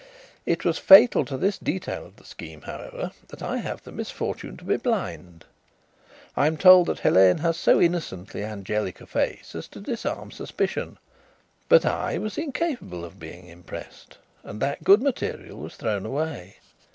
It was fatal to this detail of the scheme, however, that I have the misfortune to be blind. I am told that Helene has so innocently angelic a face as to disarm suspicion, but I was incapable of being impressed and that good material was thrown away.